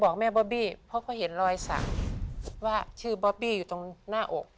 บอกแม่บอบบี้เพราะเขาเห็นรอยสักว่าชื่อบอบบี้อยู่ตรงหน้าอก